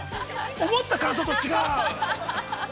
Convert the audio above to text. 思った感想と違う。